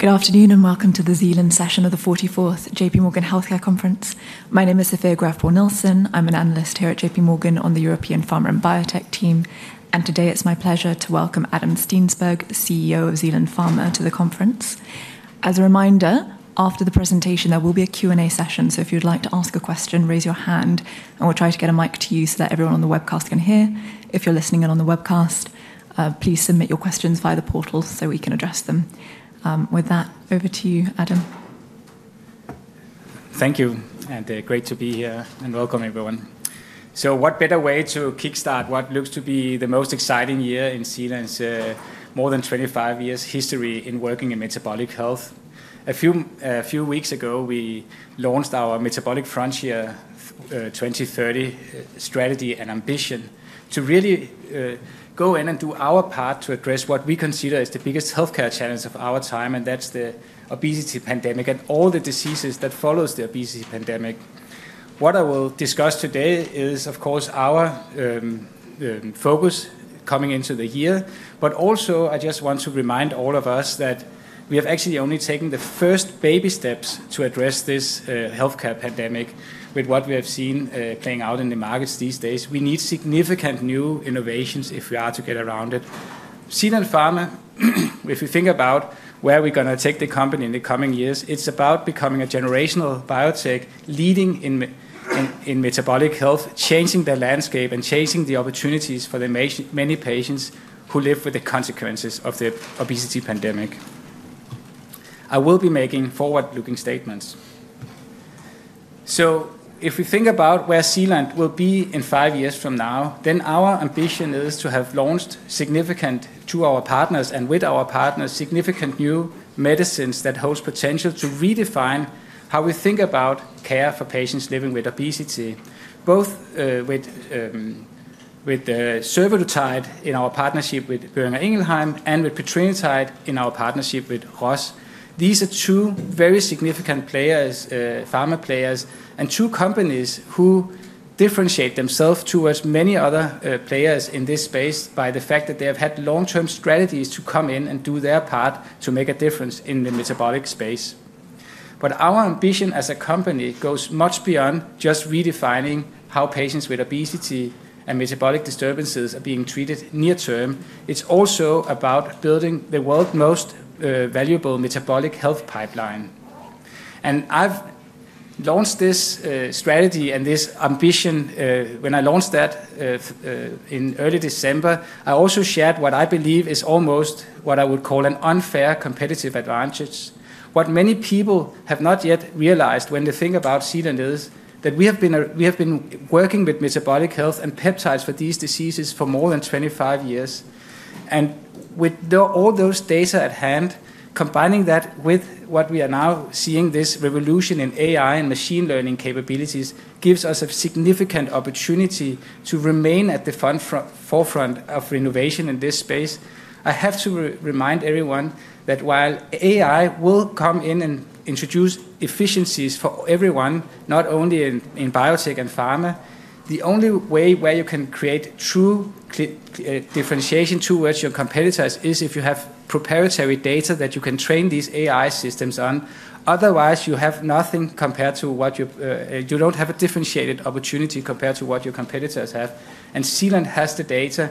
Good afternoon and welcome to the Zealand session of the 44th J.P. Morgan Healthcare Conference. My name is Sophie Graff. I'm an analyst here at J.P. Morgan on the European Pharma and Biotech team. And today it's my pleasure to welcome Adam Steensberg, CEO of Zealand Pharma, to the conference. As a reminder, after the presentation, there will be a Q&A session. So if you'd like to ask a question, raise your hand, and we'll try to get a mic to you so that everyone on the webcast can hear. If you're listening in on the webcast, please submit your questions via the portal so we can address them. With that, over to you, Adam. Thank you, and great to be here and welcome everyone. So what better way to kickstart what looks to be the most exciting year in Zealand's more than 25 years' history in working in metabolic health? A few weeks ago, we launched our Metabolic Frontier 2030 strategy and ambition to really go in and do our part to address what we consider as the biggest healthcare challenge of our time, and that's the obesity pandemic and all the diseases that follow the obesity pandemic. What I will discuss today is, of course, our focus coming into the year. But also, I just want to remind all of us that we have actually only taken the first baby steps to address this healthcare pandemic with what we have seen playing out in the markets these days. We need significant new innovations if we are to get around it. Zealand Pharma, if you think about where we're going to take the company in the coming years, it's about becoming a generational biotech leading in metabolic health, changing the landscape and changing the opportunities for the many patients who live with the consequences of the obesity pandemic. I will be making forward-looking statements. So if we think about where Zealand will be in five years from now, then our ambition is to have launched significant new medicines that hold potential to redefine how we think about care for patients living with obesity, both with Survodutide in our partnership with Boehringer Ingelheim and with petrelintide in our partnership with Roche. These are two very significant pharma players and two companies who differentiate themselves towards many other players in this space by the fact that they have had long-term strategies to come in and do their part to make a difference in the metabolic space, but our ambition as a company goes much beyond just redefining how patients with obesity and metabolic disturbances are being treated near-term. It's also about building the world's most valuable metabolic health pipeline, and I've launched this strategy and this ambition when I launched that in early December. I also shared what I believe is almost what I would call an unfair competitive advantage. What many people have not yet realized when they think about Zealand is that we have been working with metabolic health and peptides for these diseases for more than 25 years. And with all those data at hand, combining that with what we are now seeing, this revolution in AI and machine learning capabilities gives us a significant opportunity to remain at the forefront of innovation in this space. I have to remind everyone that while AI will come in and introduce efficiencies for everyone, not only in biotech and pharma, the only way where you can create true differentiation towards your competitors is if you have proprietary data that you can train these AI systems on. Otherwise, you have nothing compared to what you don't have a differentiated opportunity compared to what your competitors have. And Zealand has the data.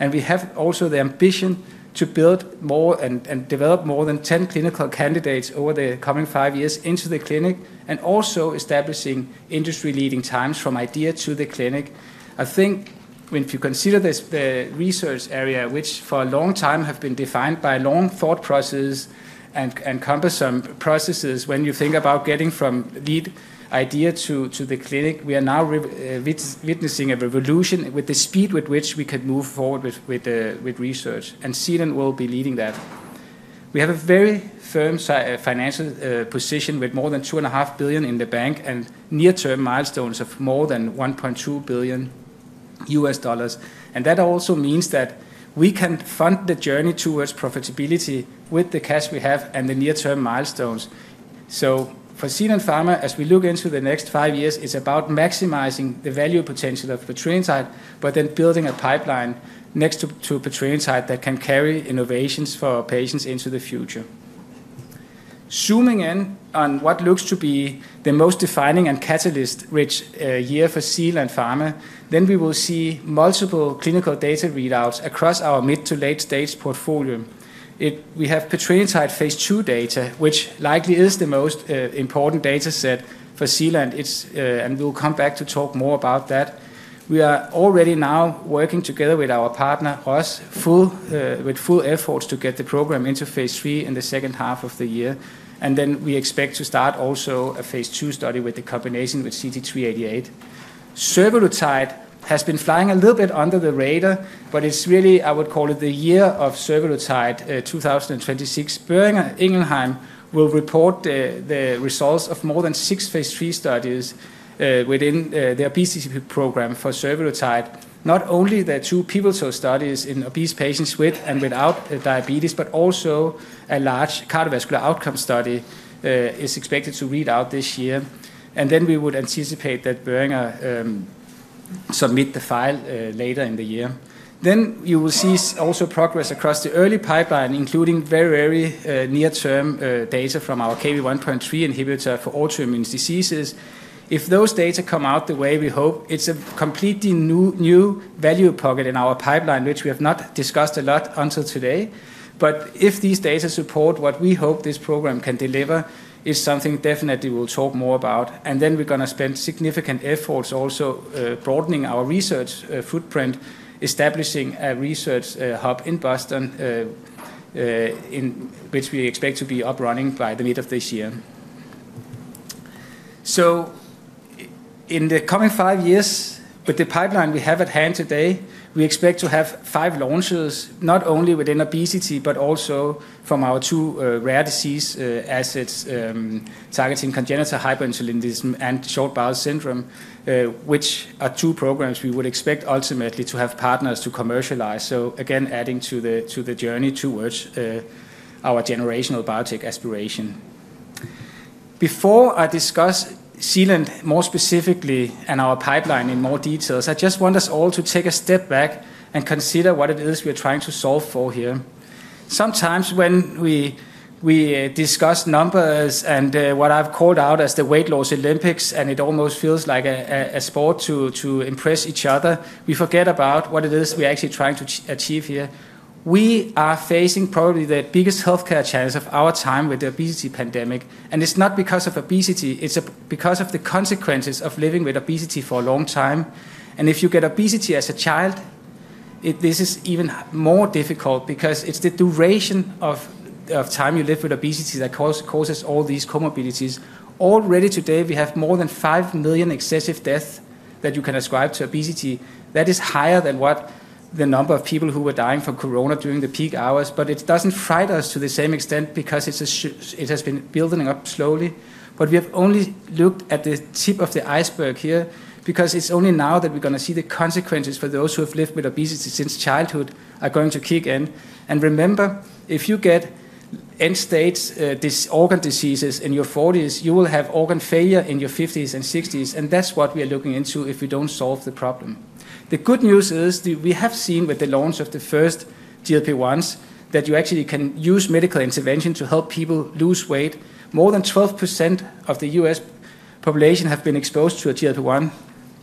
And we have also the ambition to build more and develop more than 10 clinical candidates over the coming five years into the clinic and also establishing industry-leading times from idea to the clinic. I think if you consider the research area, which for a long time have been defined by long thought processes and cumbersome processes, when you think about getting from lead idea to the clinic, we are now witnessing a revolution with the speed with which we can move forward with research. And Zealand will be leading that. We have a very firm financial position with more than 2.5 billion in the bank and near-term milestones of more than $1.2 billion. And that also means that we can fund the journey towards profitability with the cash we have and the near-term milestones. So for Zealand Pharma, as we look into the next five years, it's about maximizing the value potential of petrelintide, but then building a pipeline next to petrelintide that can carry innovations for patients into the future. Zooming in on what looks to be the most defining and catalyst-rich year for Zealand Pharma, then we will see multiple clinical data readouts across our mid to late-stage portfolio. We have petrelintide phase II data, which likely is the most important data set for Zealand, and we'll come back to talk more about that. We are already now working together with our partner, Roche, with full efforts to get the program into phase III in the second half of the year. Then we expect to start also a phase II study with the combination with CT-388. Survodutide has been flying a little bit under the radar, but it's really, I would call it the year of Survodutide 2026. Boehringer Ingelheim will report the results of more than six phase III studies within their BCCP program for Survodutide. Not only the two pivotal studies in obese patients with and without diabetes, but also a large cardiovascular outcome study is expected to read out this year, and then we would anticipate that Boehringer submit the filing later in the year, then you will see also progress across the early pipeline, including very, very near-term data from our Kv1.3 inhibitor for autoimmune diseases. If those data come out the way we hope, it's a completely new value pocket in our pipeline, which we have not discussed a lot until today, but if these data support what we hope this program can deliver, it's something definitely we'll talk more about, and then we're going to spend significant efforts also broadening our research footprint, establishing a research hub in Boston, which we expect to be up and running by the middle of this year. So in the coming five years, with the pipeline we have at hand today, we expect to have five launches, not only within obesity, but also from our two rare disease assets targeting congenital hyperinsulinism and short bowel syndrome, which are two programs we would expect ultimately to have partners to commercialize. So again, adding to the journey towards our generational biotech aspiration. Before I discuss Zealand more specifically and our pipeline in more details, I just want us all to take a step back and consider what it is we're trying to solve for here. Sometimes when we discuss numbers and what I've called out as the weight loss Olympics, and it almost feels like a sport to impress each other, we forget about what it is we're actually trying to achieve here. We are facing probably the biggest healthcare challenge of our time with the obesity pandemic. It's not because of obesity; it's because of the consequences of living with obesity for a long time. If you get obesity as a child, this is even more difficult because it's the duration of time you live with obesity that causes all these comorbidities. Already today, we have more than five million excessive deaths that you can ascribe to obesity. That is higher than what the number of people who were dying from Corona during the peak hours. It doesn't frighten us to the same extent because it has been building up slowly. We have only looked at the tip of the iceberg here because it's only now that we're going to see the consequences for those who have lived with obesity since childhood are going to kick in. And remember, if you get end-stage organ diseases in your 40s, you will have organ failure in your 50s and 60s. And that's what we are looking into if we don't solve the problem. The good news is we have seen with the launch of the first GLP-1s that you actually can use medical intervention to help people lose weight. More than 12% of the U.S. population have been exposed to a GLP-1.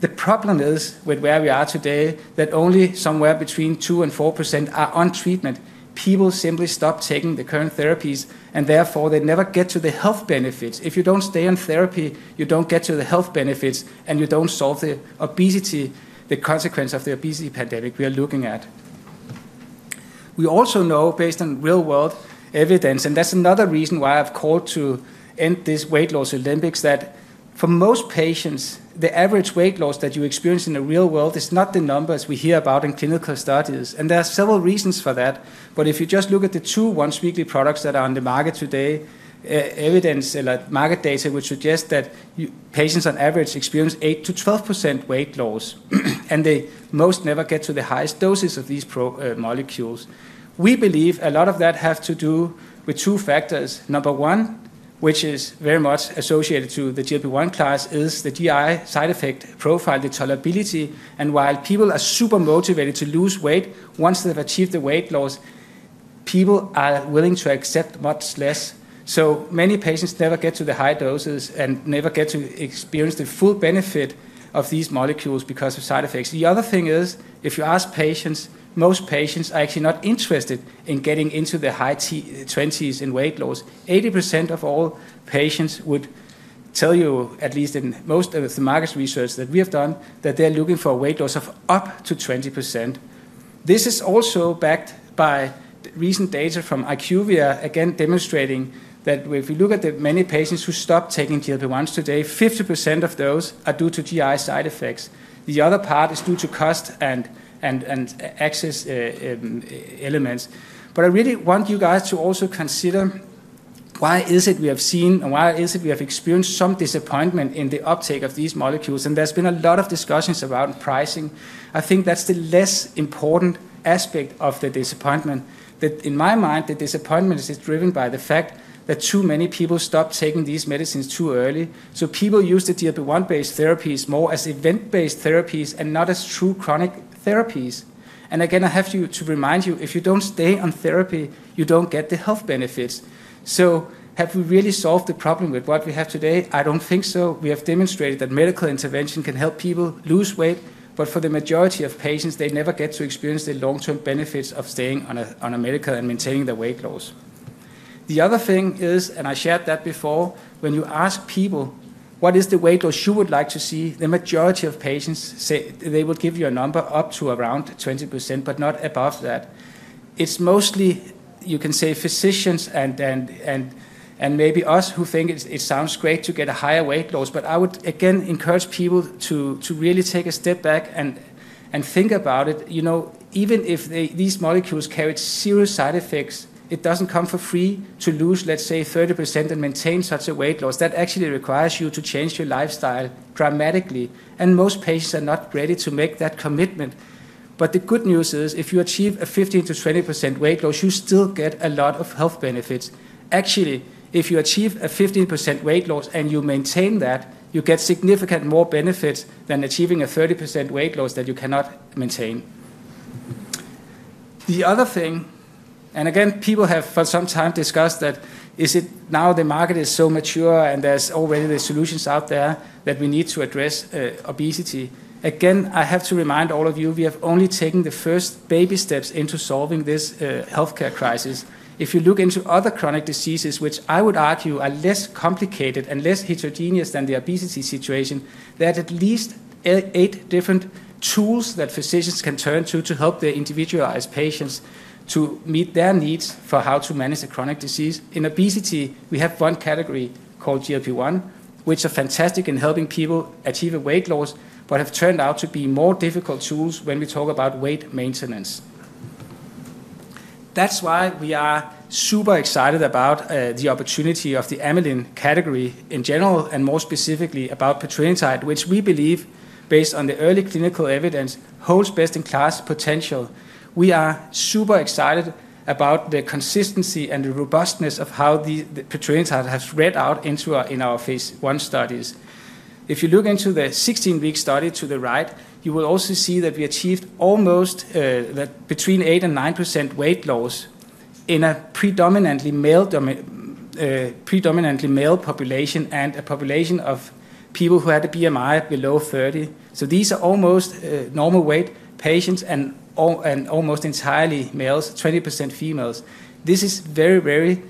The problem is with where we are today that only somewhere between 2% and 4% are on treatment. People simply stop taking the current therapies, and therefore they never get to the health benefits. If you don't stay on therapy, you don't get to the health benefits, and you don't solve the obesity, the consequence of the obesity pandemic we are looking at. We also know, based on real-world evidence, and that's another reason why I've called to end this weight loss Olympics, that for most patients, the average weight loss that you experience in the real world is not the numbers we hear about in clinical studies, and there are several reasons for that, but if you just look at the two once-weekly products that are on the market today, evidence and market data would suggest that patients on average experience 8%-12% weight loss, and they mostly never get to the highest doses of these molecules. We believe a lot of that has to do with two factors. Number one, which is very much associated to the GLP-1 class, is the GI side effect profile, the tolerability, and while people are super motivated to lose weight, once they've achieved the weight loss, people are willing to accept much less. So many patients never get to the high doses and never get to experience the full benefit of these molecules because of side effects. The other thing is, if you ask patients, most patients are actually not interested in getting into the high 20s in weight loss. 80% of all patients would tell you, at least in most of the market research that we have done, that they're looking for a weight loss of up to 20%. This is also backed by recent data from IQVIA, again demonstrating that if you look at the many patients who stop taking GLP-1s today, 50% of those are due to GI side effects. The other part is due to cost and access elements. But I really want you guys to also consider why is it we have seen, why is it we have experienced some disappointment in the uptake of these molecules. There's been a lot of discussions about pricing. I think that's the less important aspect of the disappointment. In my mind, the disappointment is driven by the fact that too many people stop taking these medicines too early. People use the GLP-1-based therapies more as event-based therapies and not as true chronic therapies. Again, I have to remind you, if you don't stay on therapy, you don't get the health benefits. Have we really solved the problem with what we have today? I don't think so. We have demonstrated that medical intervention can help people lose weight, but for the majority of patients, they never get to experience the long-term benefits of staying on a medical and maintaining their weight loss. The other thing is, and I shared that before, when you ask people, "What is the weight loss you would like to see?" The majority of patients say they will give you a number up to around 20%, but not above that. It's mostly, you can say, physicians and maybe us who think it sounds great to get a higher weight loss. But I would again encourage people to really take a step back and think about it. Even if these molecules carry serious side effects, it doesn't come for free to lose, let's say, 30% and maintain such a weight loss. That actually requires you to change your lifestyle dramatically. And most patients are not ready to make that commitment. But the good news is, if you achieve a 15%-20% weight loss, you still get a lot of health benefits. Actually, if you achieve a 15% weight loss and you maintain that, you get significant more benefits than achieving a 30% weight loss that you cannot maintain. The other thing, and again, people have for some time discussed that is it now the market is so mature and there's already the solutions out there that we need to address obesity. Again, I have to remind all of you, we have only taken the first baby steps into solving this healthcare crisis. If you look into other chronic diseases, which I would argue are less complicated and less heterogeneous than the obesity situation, there are at least eight different tools that physicians can turn to to help their individualized patients to meet their needs for how to manage a chronic disease. In obesity, we have one category called GLP-1, which is fantastic in helping people achieve a weight loss, but have turned out to be more difficult tools when we talk about weight maintenance. That's why we are super excited about the opportunity of the amylin category in general, and more specifically about petrelintide, which we believe, based on the early clinical evidence, holds best-in-class potential. We are super excited about the consistency and the robustness of how petrelintide has read out in our phase I studies. If you look into the 16-week study to the right, you will also see that we achieved almost between 8% and 9% weight loss in a predominantly male population and a population of people who had a BMI below 30. So these are almost normal weight patients and almost entirely males, 20% females. This is very, very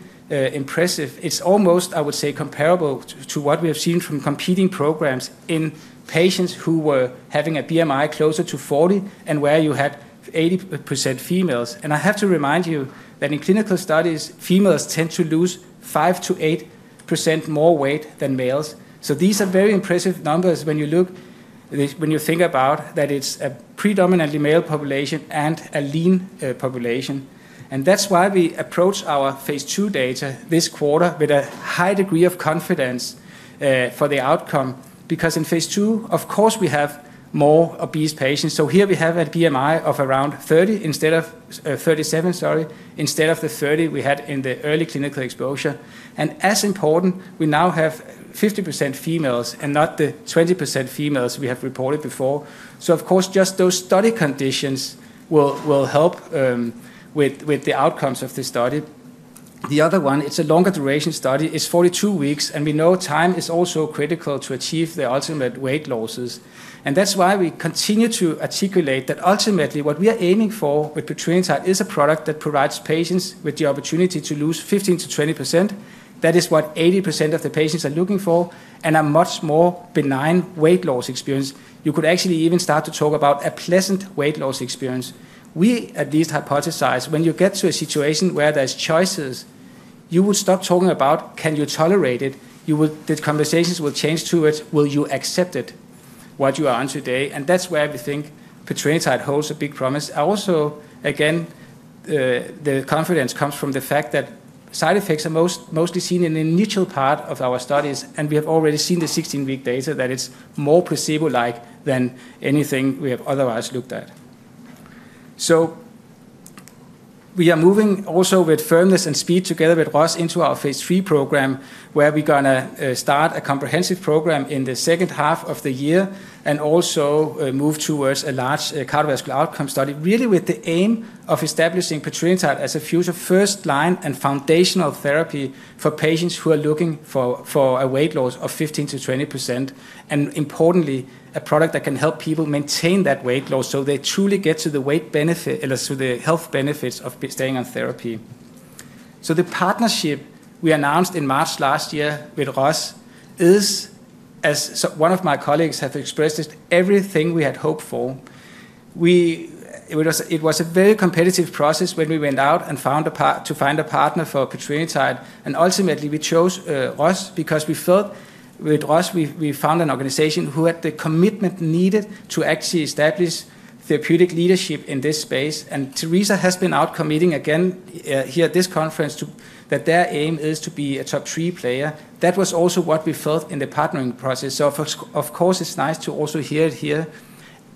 impressive. It's almost, I would say, comparable to what we have seen from competing programs in patients who were having a BMI closer to 40 and where you had 80% females. And I have to remind you that in clinical studies, females tend to lose 5%-8% more weight than males. So these are very impressive numbers when you think about that it's a predominantly male population and a lean population. And that's why we approach our phase II data this quarter with a high degree of confidence for the outcome, because in phase II, of course, we have more obese patients. So here we have a BMI of around 30 instead of 37, sorry, instead of the 30 we had in the early clinical exposure. And as important, we now have 50% females and not the 20% females we have reported before. So of course, just those study conditions will help with the outcomes of the study. The other one, it's a longer duration study. It's 42 weeks, and we know time is also critical to achieve the ultimate weight losses. And that's why we continue to articulate that ultimately what we are aiming for with petrelintide is a product that provides patients with the opportunity to lose 15%-20%. That is what 80% of the patients are looking for and a much more benign weight loss experience. You could actually even start to talk about a pleasant weight loss experience. We at least hypothesize when you get to a situation where there's choices, you would stop talking about, "Can you tolerate it?" The conversations will change to, "Will you accept it?" What you are on today. And that's where we think petrelintide holds a big promise. Also, again, the confidence comes from the fact that side effects are mostly seen in the initial part of our studies, and we have already seen the 16-week data that it's more placebo-like than anything we have otherwise looked at, so we are moving also with firmness and speed together with Roche into our phase III program, where we're going to start a comprehensive program in the second half of the year and also move towards a large cardiovascular outcome study, really with the aim of establishing petrelintide as a future first-line and foundational therapy for patients who are looking for a weight loss of 15%-20%, and importantly, a product that can help people maintain that weight loss so they truly get to the weight benefit or to the health benefits of staying on therapy. The partnership we announced in March last year with Roche is, as one of my colleagues has expressed, everything we had hoped for. It was a very competitive process when we went out and found a partner for petrelintide. And ultimately, we chose Roche because we felt with Roche, we found an organization who had the commitment needed to actually establish therapeutic leadership in this space. And Teresa has been out committing again here at this conference that their aim is to be a top three player. That was also what we felt in the partnering process. So of course, it's nice to also hear it here.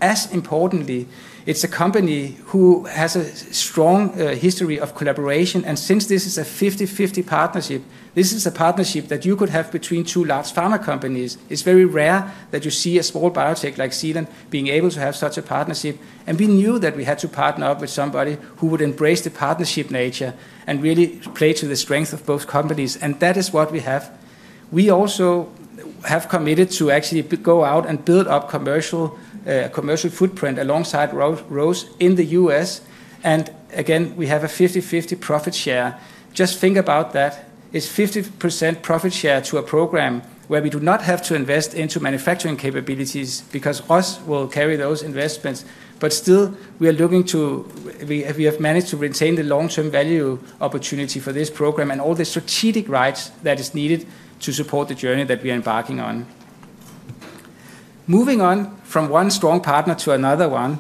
As importantly, it's a company who has a strong history of collaboration. And since this is a 50/50 partnership, this is a partnership that you could have between two large pharma companies. It's very rare that you see a small biotech like Zealand being able to have such a partnership. And we knew that we had to partner up with somebody who would embrace the partnership nature and really play to the strength of both companies. And that is what we have. We also have committed to actually go out and build up a commercial footprint alongside Roche in the U.S. And again, we have a 50/50 profit share. Just think about that. It's 50% profit share to a program where we do not have to invest into manufacturing capabilities because Roche will carry those investments. But still, we are looking to have managed to retain the long-term value opportunity for this program and all the strategic rights that are needed to support the journey that we are embarking on. Moving on from one strong partner to another one,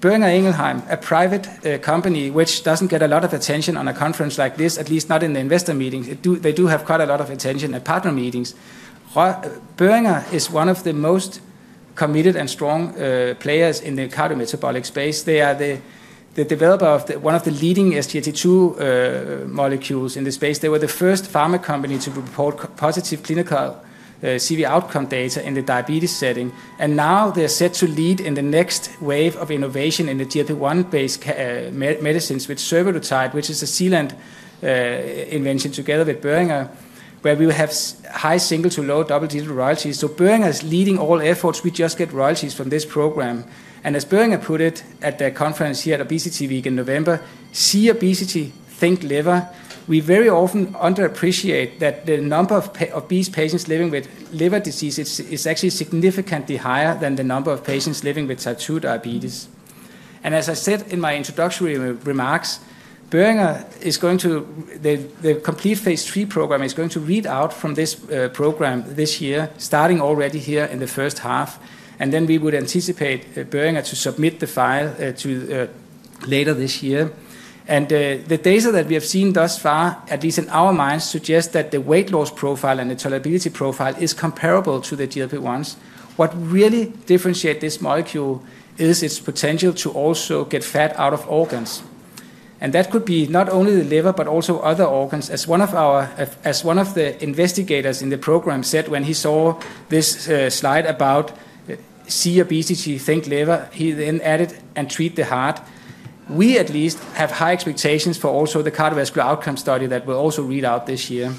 Boehringer Ingelheim, a private company which doesn't get a lot of attention on a conference like this, at least not in the investor meetings. They do have quite a lot of attention at partner meetings. Boehringer is one of the most committed and strong players in the cardiometabolic space. They are the developer of one of the leading SGLT2 molecules in the space. They were the first pharma company to report positive clinical CV outcome data in the diabetes setting, and now they're set to lead in the next wave of innovation in the GLP-1-based medicines with Survodutide, which is a Zealand invention together with Boehringer, where we will have high single- to low double digit royalties. So Boehringer is leading all efforts. We just get royalties from this program. And as Boehringer put it at the conference here at ObesityWeek in November, "See obesity, think liver." We very often underappreciate that the number of obese patients living with liver disease is actually significantly higher than the number of patients living with type 2 diabetes. And as I said in my introductory remarks, Boehringer is going to the complete phase III program is going to read out from this program this year, starting already here in the first half. And then we would anticipate Boehringer to submit the file later this year. And the data that we have seen thus far, at least in our minds, suggests that the weight loss profile and the tolerability profile is comparable to the GLP-1s. What really differentiates this molecule is its potential to also get fat out of organs. And that could be not only the liver, but also other organs. As one of the investigators in the program said when he saw this slide about, "See obesity, think liver," he then added, "And treat the heart." We at least have high expectations for also the cardiovascular outcome study that will also read out this year.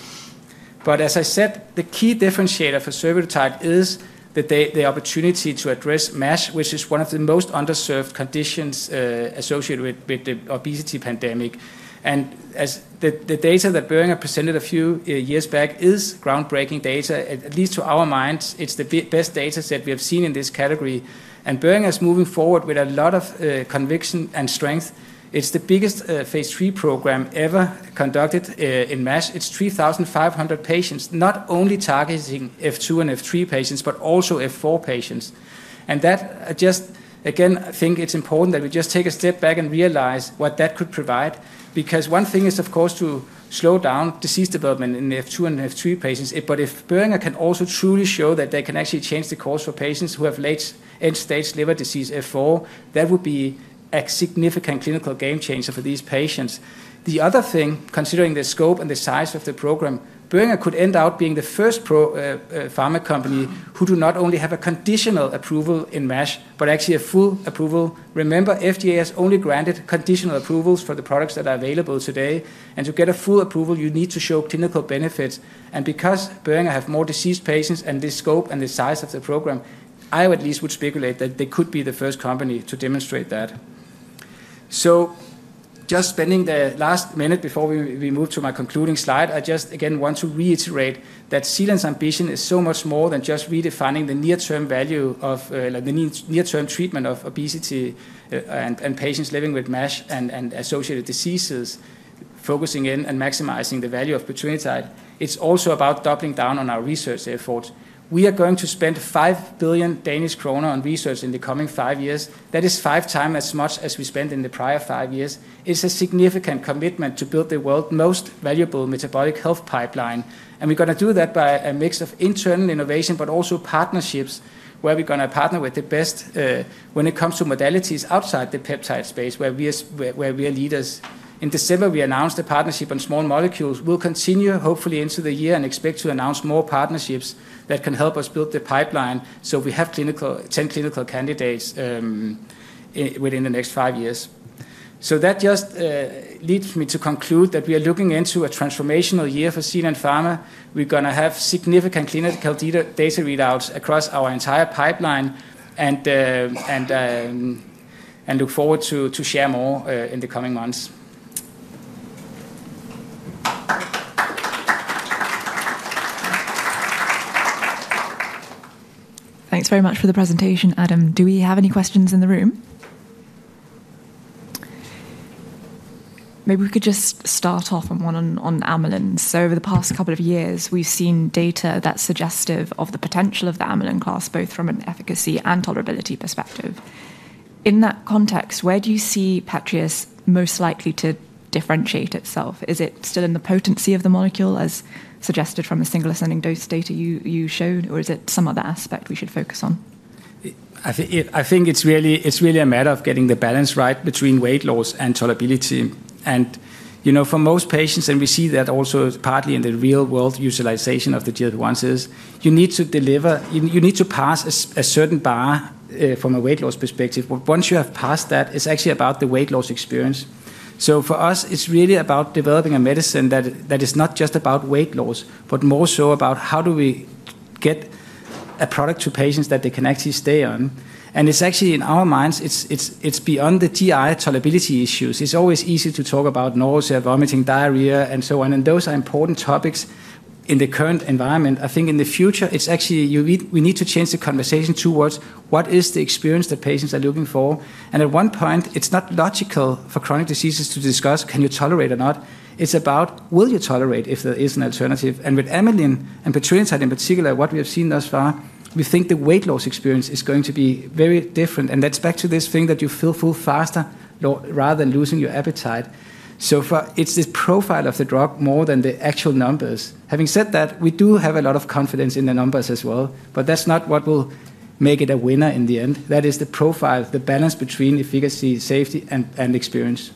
But as I said, the key differentiator for Survodutide is the opportunity to address MASH, which is one of the most underserved conditions associated with the obesity pandemic. And the data that Boehringer presented a few years back is groundbreaking data. At least to our minds, it's the best data set we have seen in this category. And Boehringer is moving forward with a lot of conviction and strength. It's the biggest phase III program ever conducted in MASH. It's 3,500 patients, not only targeting F2 and F3 patients, but also F4 patients. That just, again, I think it's important that we just take a step back and realize what that could provide. Because one thing is, of course, to slow down disease development in F2 and F3 patients. But if Boehringer can also truly show that they can actually change the course for patients who have late-stage liver disease F4, that would be a significant clinical game changer for these patients. The other thing, considering the scope and the size of the program, Boehringer could end up being the first pharma company who do not only have a conditional approval in MASH, but actually a full approval. Remember, FDA has only granted conditional approvals for the products that are available today. And to get a full approval, you need to show clinical benefits. Because Boehringer has more disease patients and the scope and the size of the program, I at least would speculate that they could be the first company to demonstrate that. So just spending the last minute before we move to my concluding slide, I just again want to reiterate that Zealand's ambition is so much more than just redefining the near-term value of the near-term treatment of obesity and patients living with MASH and associated diseases, focusing in and maximizing the value of petrelintide. It's also about doubling down on our research efforts. We are going to spend 5 billion Danish kroner on research in the coming five years. That is five times as much as we spent in the prior five years. It's a significant commitment to build the world's most valuable metabolic health pipeline. And we're going to do that by a mix of internal innovation, but also partnerships where we're going to partner with the best when it comes to modalities outside the peptide space, where we are leaders. In December, we announced the partnership on small molecules. We'll continue, hopefully, into the year and expect to announce more partnerships that can help us build the pipeline so we have 10 clinical candidates within the next five years. So that just leads me to conclude that we are looking into a transformational year for Zealand Pharma. We're going to have significant clinical data readouts across our entire pipeline and look forward to share more in the coming months. Thanks very much for the presentation, Adam. Do we have any questions in the room? Maybe we could just start off on one on amylin. So over the past couple of years, we've seen data that's suggestive of the potential of the amylin class, both from an efficacy and tolerability perspective. In that context, where do you see petrelintide most likely to differentiate itself? Is it still in the potency of the molecule, as suggested from the single ascending dose data you showed, or is it some other aspect we should focus on? I think it's really a matter of getting the balance right between weight loss and tolerability. And for most patients, and we see that also partly in the real-world utilization of the GLP-1s, is you need to deliver, you need to pass a certain bar from a weight loss perspective. But once you have passed that, it's actually about the weight loss experience. So for us, it's really about developing a medicine that is not just about weight loss, but more so about how do we get a product to patients that they can actually stay on. And it's actually, in our minds, it's beyond the GI tolerability issues. It's always easy to talk about nausea, vomiting, diarrhea, and so on. And those are important topics in the current environment. I think in the future, it's actually we need to change the conversation towards what is the experience that patients are looking for. And at one point, it's not logical for chronic diseases to discuss, can you tolerate or not. It's about, will you tolerate if there is an alternative? And with amylin and petrelintide in particular, what we have seen thus far, we think the weight loss experience is going to be very different. And that's back to this thing that you feel full faster rather than losing your appetite. So it's this profile of the drug more than the actual numbers. Having said that, we do have a lot of confidence in the numbers as well, but that's not what will make it a winner in the end. That is the profile, the balance between efficacy, safety, and experience.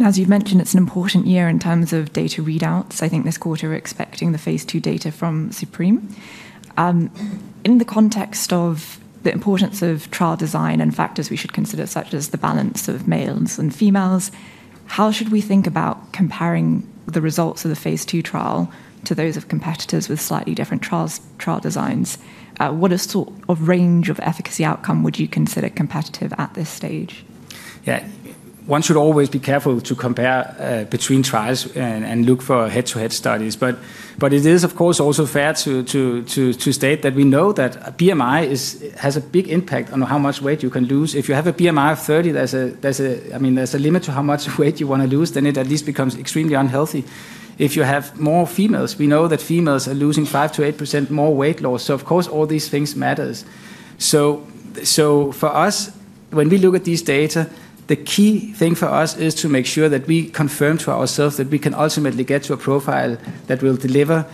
As you've mentioned, it's an important year in terms of data readouts. I think this quarter we're expecting the phase II data from Survodutide. In the context of the importance of trial design and factors we should consider, such as the balance of males and females, how should we think about comparing the results of the phase II trial to those of competitors with slightly different trial designs? What sort of range of efficacy outcome would you consider competitive at this stage? Yeah, one should always be careful to compare between trials and look for head-to-head studies. But it is, of course, also fair to state that we know that BMI has a big impact on how much weight you can lose. If you have a BMI of 30, I mean, there's a limit to how much weight you want to lose, then it at least becomes extremely unhealthy. If you have more females, we know that females are losing 5%-8% more weight loss. So of course, all these things matter. So for us, when we look at these data, the key thing for us is to make sure that we confirm to ourselves that we can ultimately get to a profile that will deliver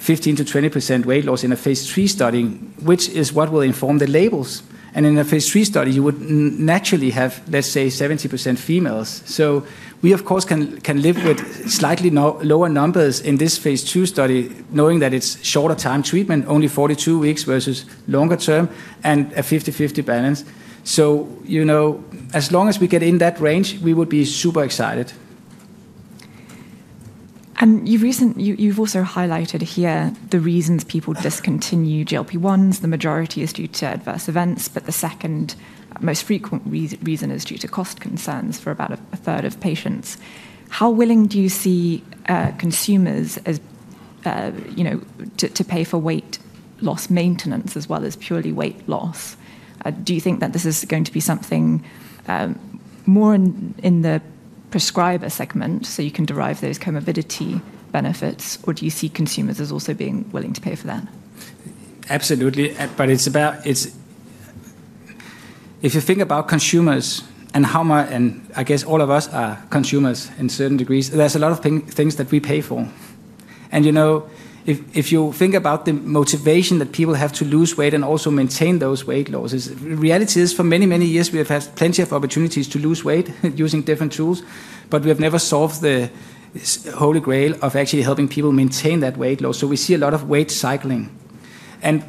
15%-20% weight loss in a phase III study, which is what will inform the labels. In a phase III study, you would naturally have, let's say, 70% females. So we, of course, can live with slightly lower numbers in this phase II study, knowing that it's shorter-term treatment, only 42 weeks versus longer-term, and a 50/50 balance. So as long as we get in that range, we would be super excited. You've also highlighted here the reasons people discontinue GLP-1s. The majority is due to adverse events, but the second most frequent reason is due to cost concerns for about a third of patients. How willing do you see consumers to pay for weight loss maintenance as well as purely weight loss? Do you think that this is going to be something more in the prescriber segment so you can derive those comorbidity benefits, or do you see consumers as also being willing to pay for that? Absolutely. But it's about, if you think about consumers and how much, and I guess all of us are consumers in certain degrees, there's a lot of things that we pay for. And if you think about the motivation that people have to lose weight and also maintain those weight losses, the reality is for many, many years, we have had plenty of opportunities to lose weight using different tools, but we have never solved the holy grail of actually helping people maintain that weight loss. So we see a lot of weight cycling. And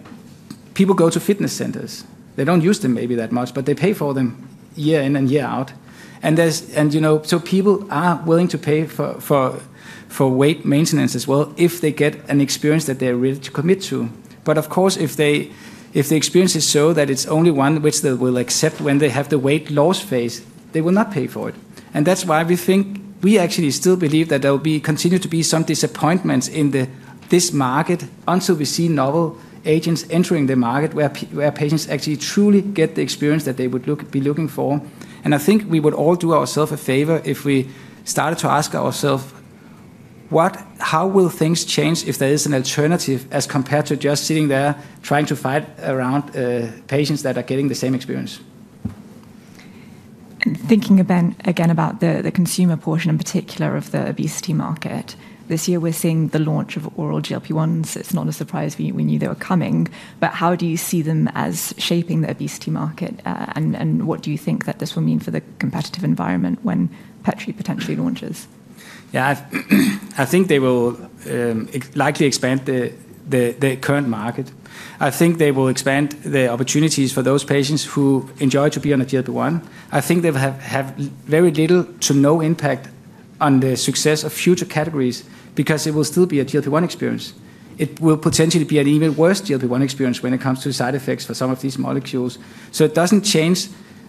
people go to fitness centers. They don't use them maybe that much, but they pay for them year in and year out. And so people are willing to pay for weight maintenance as well if they get an experience that they're ready to commit to. But of course, if the experience is so that it's only one which they will accept when they have the weight loss phase, they will not pay for it. And that's why we think we actually still believe that there will continue to be some disappointments in this market until we see novel agents entering the market where patients actually truly get the experience that they would be looking for. And I think we would all do ourselves a favor if we started to ask ourselves, how will things change if there is an alternative as compared to just sitting there trying to fight around patients that are getting the same experience? Thinking again about the consumer portion in particular of the obesity market, this year we're seeing the launch of oral GLP-1s. It's not a surprise we knew they were coming. But how do you see them as shaping the obesity market, and what do you think that this will mean for the competitive environment when petrelintide potentially launches? Yeah, I think they will likely expand the current market. I think they will expand the opportunities for those patients who enjoy to be on a GLP-1. I think they will have very little to no impact on the success of future categories because it will still be a GLP-1 experience. It will potentially be an even worse GLP-1 experience when it comes to side effects for some of these molecules. So it doesn't change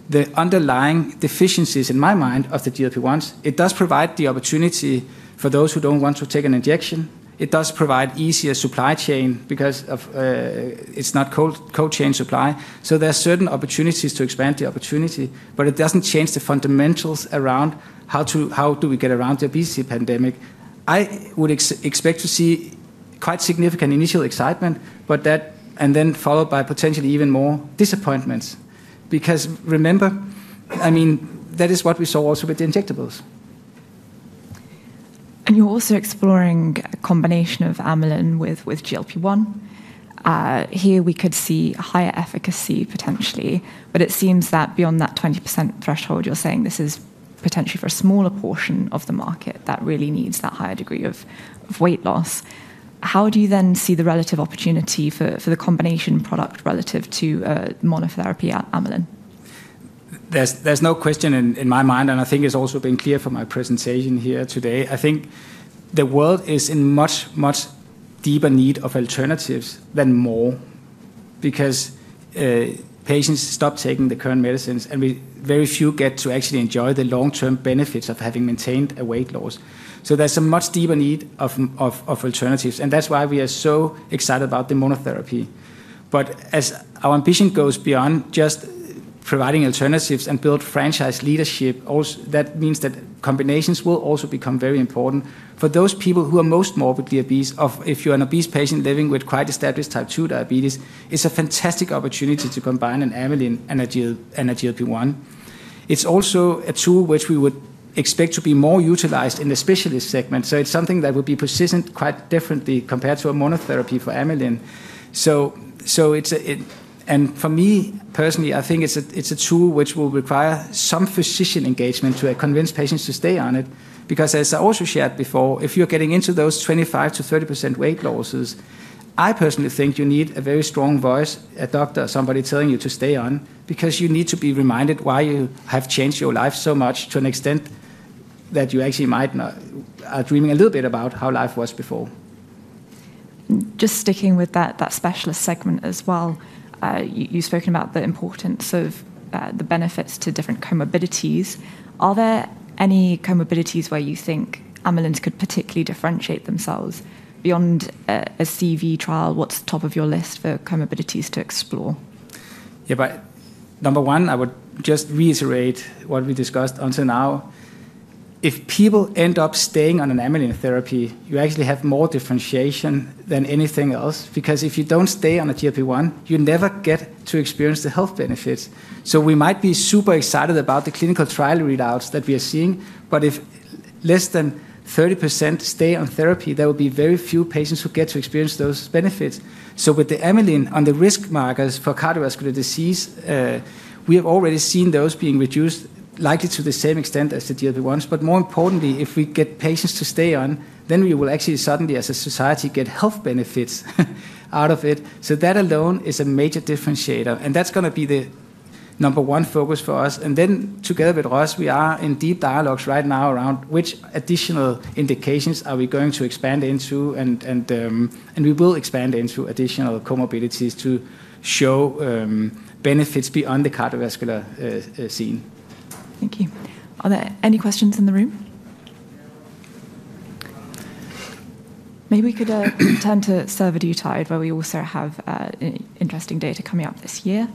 the underlying deficiencies, in my mind, of the GLP-1s. It does provide the opportunity for those who don't want to take an injection. It does provide easier supply chain because it's not cold chain supply. So there are certain opportunities to expand the opportunity, but it doesn't change the fundamentals around how do we get around the obesity pandemic. I would expect to see quite significant initial excitement, but that and then followed by potentially even more disappointments. Because remember, I mean, that is what we saw also with the injectables. You're also exploring a combination of amylin with GLP-1. Here we could see higher efficacy potentially, but it seems that beyond that 20% threshold, you're saying this is potentially for a smaller portion of the market that really needs that higher degree of weight loss. How do you then see the relative opportunity for the combination product relative to monotherapy amylin? There's no question in my mind, and I think it's also been clear from my presentation here today. I think the world is in much, much deeper need of alternatives than more because patients stop taking the current medicines, and very few get to actually enjoy the long-term benefits of having maintained a weight loss. So there's a much deeper need of alternatives, and that's why we are so excited about the monotherapy. But as our ambition goes beyond just providing alternatives and build franchise leadership, that means that combinations will also become very important for those people who are most morbidly obese. If you're an obese patient living with quite established type 2 diabetes, it's a fantastic opportunity to combine an amylin and a GLP-1. It's also a tool which we would expect to be more utilized in the specialist segment. So it's something that would be positioned quite differently compared to a monotherapy for amylin. And for me personally, I think it's a tool which will require some physician engagement to convince patients to stay on it. Because as I also shared before, if you're getting into those 25%-30% weight losses, I personally think you need a very strong voice, a doctor, somebody telling you to stay on, because you need to be reminded why you have changed your life so much to an extent that you actually might not are dreaming a little bit about how life was before. Just sticking with that specialist segment as well, you've spoken about the importance of the benefits to different comorbidities. Are there any comorbidities where you think amylin could particularly differentiate themselves beyond a CV trial? What's top of your list for comorbidities to explore? Yeah, but number one, I would just reiterate what we discussed until now. If people end up staying on an amylin therapy, you actually have more differentiation than anything else. Because if you don't stay on a GLP-1, you never get to experience the health benefits, so we might be super excited about the clinical trial readouts that we are seeing, but if less than 30% stay on therapy, there will be very few patients who get to experience those benefits, so with the amylin on the risk markers for cardiovascular disease, we have already seen those being reduced, likely to the same extent as the GLP-1s, but more importantly, if we get patients to stay on, then we will actually suddenly, as a society, get health benefits out of it, so that alone is a major differentiator, and that's going to be the number one focus for us. Then together with Roche, we are in deep dialogues right now around which additional indications are we going to expand into, and we will expand into additional comorbidities to show benefits beyond the cardiovascular space. Thank you. Are there any questions in the room? Maybe we could turn to Survodutide where we also have interesting data coming up this year.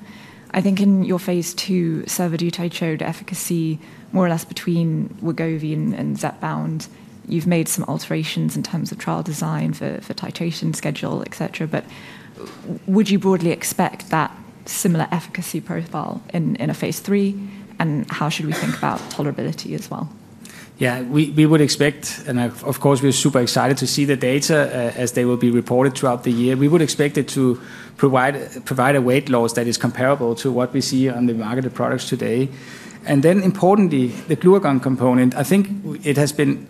I think in your phase II, Survodutide showed efficacy more or less between Wegovy and Zepbound. You've made some alterations in terms of trial design for titration schedule, etc. But would you broadly expect that similar efficacy profile in a phase III? And how should we think about tolerability as well? Yeah, we would expect, and of course, we're super excited to see the data as they will be reported throughout the year. We would expect it to provide a weight loss that is comparable to what we see on the market of products today. And then importantly, the glucagon component, I think it has been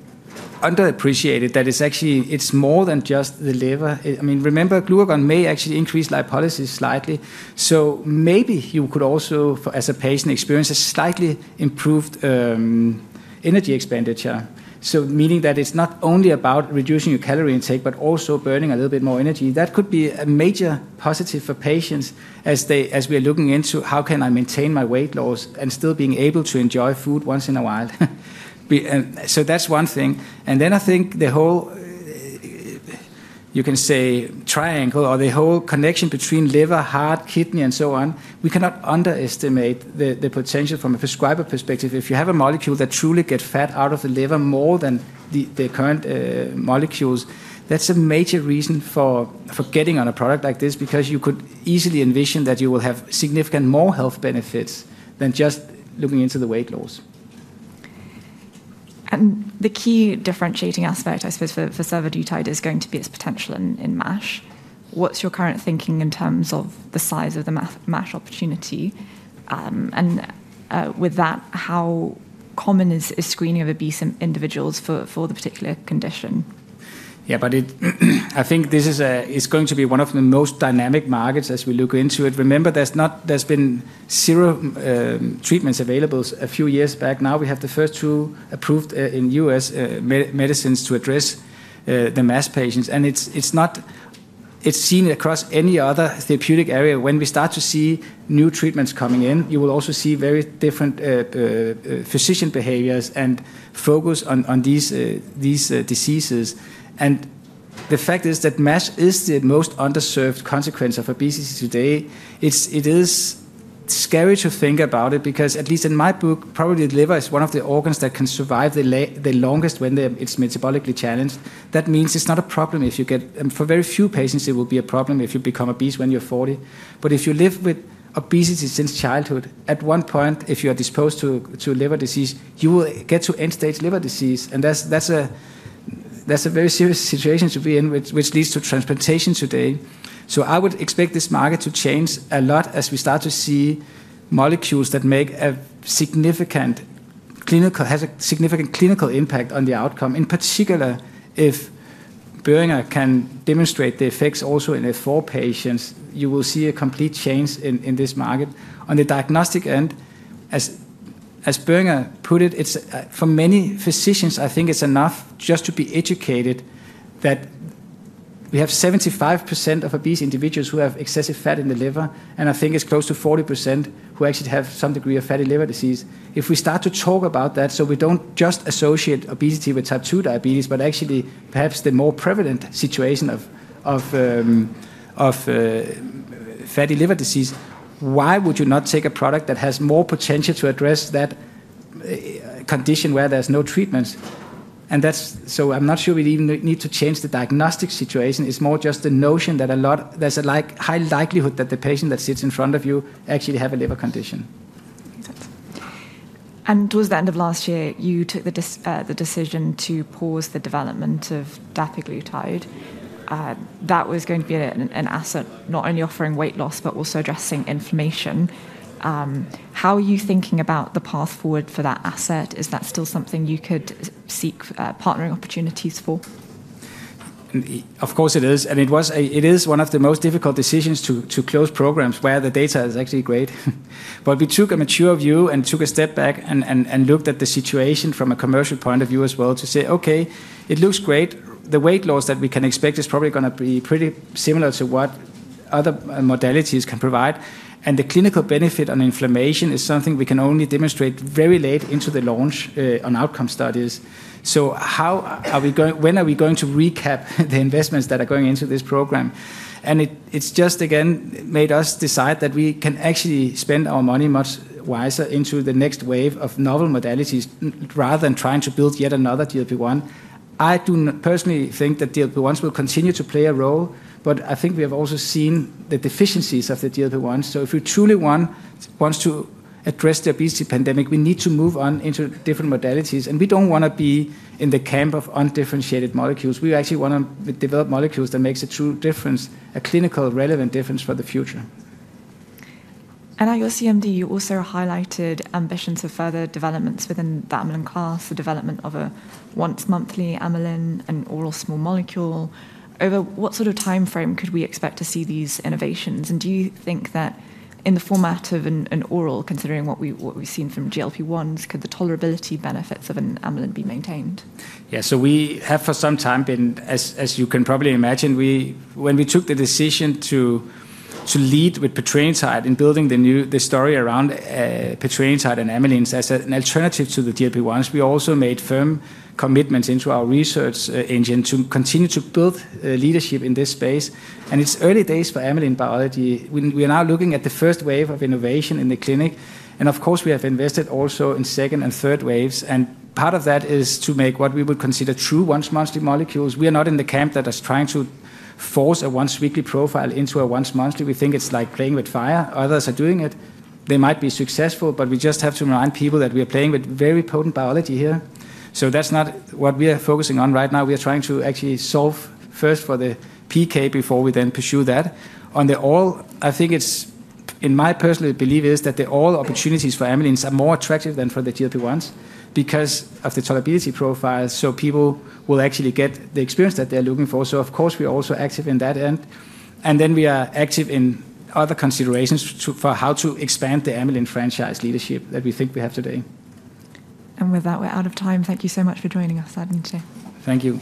underappreciated that it's actually, it's more than just the liver. I mean, remember, glucagon may actually increase lipolysis slightly. So maybe you could also, as a patient, experience a slightly improved energy expenditure. So meaning that it's not only about reducing your calorie intake, but also burning a little bit more energy. That could be a major positive for patients as we are looking into how can I maintain my weight loss and still being able to enjoy food once in a while. So that's one thing. And then I think the whole, you can say, triangle or the whole connection between liver, heart, kidney, and so on, we cannot underestimate the potential from a prescriber perspective. If you have a molecule that truly gets fat out of the liver more than the current molecules, that's a major reason for getting on a product like this because you could easily envision that you will have significant more health benefits than just looking into the weight loss. And the key differentiating aspect, I suppose, for Survodutide is going to be its potential in MASH. What's your current thinking in terms of the size of the MASH opportunity? And with that, how common is screening of obese individuals for the particular condition? Yeah, but I think this is going to be one of the most dynamic markets as we look into it. Remember, there's been zero treatments available a few years back. Now we have the first two approved in the U.S. medicines to address the MASH patients. And it's seen across any other therapeutic area. When we start to see new treatments coming in, you will also see very different physician behaviors and focus on these diseases. And the fact is that MASH is the most underserved consequence of obesity today. It is scary to think about it because at least in my book, probably the liver is one of the organs that can survive the longest when it's metabolically challenged. That means it's not a problem if you get, and for very few patients, it will be a problem if you become obese when you're 40. But if you live with obesity since childhood, at one point, if you are disposed to liver disease, you will get to end-stage liver disease. And that's a very serious situation to be in, which leads to transplantation today. So I would expect this market to change a lot as we start to see molecules that have a significant clinical impact on the outcome. In particular, if Boehringer can demonstrate the effects also in F4 patients, you will see a complete change in this market. On the diagnostic end, as Boehringer put it, for many physicians, I think it's enough just to be educated that we have 75% of obese individuals who have excessive fat in the liver, and I think it's close to 40% who actually have some degree of fatty liver disease. If we start to talk about that, so we don't just associate obesity with type 2 diabetes, but actually perhaps the more prevalent situation of fatty liver disease, why would you not take a product that has more potential to address that condition where there's no treatment? And so I'm not sure we even need to change the diagnostic situation. It's more just the notion that there's a high likelihood that the patient that sits in front of you actually has a liver condition. And towards the end of last year, you took the decision to pause the development of dapiglutide. That was going to be an asset, not only offering weight loss, but also addressing inflammation. How are you thinking about the path forward for that asset? Is that still something you could seek partnering opportunities for? Of course it is. And it is one of the most difficult decisions to close programs where the data is actually great. But we took a mature view and took a step back and looked at the situation from a commercial point of view as well to say, okay, it looks great. The weight loss that we can expect is probably going to be pretty similar to what other modalities can provide. And the clinical benefit on inflammation is something we can only demonstrate very late into the launch on outcome studies. So when are we going to recap the investments that are going into this program? And it's just, again, made us decide that we can actually spend our money much wiser into the next wave of novel modalities rather than trying to build yet another GLP-1. I personally think that GLP-1s will continue to play a role, but I think we have also seen the deficiencies of the GLP-1s. So if we truly want to address the obesity pandemic, we need to move on into different modalities. And we don't want to be in the camp of undifferentiated molecules. We actually want to develop molecules that make a true difference, a clinical relevant difference for the future. At your CMD, you also highlighted ambitions of further developments within the amylin class, the development of a once-monthly amylin and oral small molecule. Over what sort of timeframe could we expect to see these innovations? And do you think that in the format of an oral, considering what we've seen from GLP-1s, could the tolerability benefits of an amylin be maintained? Yeah, so we have for some time been, as you can probably imagine, when we took the decision to lead with petrelintide in building the story around petrelintide and amylin as an alternative to the GLP-1s, we also made firm commitments into our research engine to continue to build leadership in this space. And it's early days for amylin biology. We are now looking at the first wave of innovation in the clinic. And of course, we have invested also in second and third waves. And part of that is to make what we would consider true once-monthly molecules. We are not in the camp that is trying to force a once-weekly profile into a once-monthly. We think it's like playing with fire. Others are doing it. They might be successful, but we just have to remind people that we are playing with very potent biology here. So that's not what we are focusing on right now. We are trying to actually solve first for the PK before we then pursue that. I think it's, in my personal belief, that the all opportunities for amylin are more attractive than for the GLP-1s because of the tolerability profile. So people will actually get the experience that they're looking for. So of course, we are also active in that end. And then we are active in other considerations for how to expand the amylin franchise leadership that we think we have today. With that, we're out of time. Thank you so much for joining us, Adam Steensberg. Thank you.